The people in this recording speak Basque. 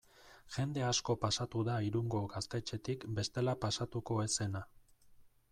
Jende asko pasatu da Irungo gaztetxetik bestela pasatuko ez zena.